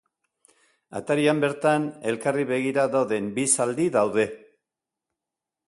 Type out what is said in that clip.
Atarian bertan elkarri begira dauden bi zaldi daude.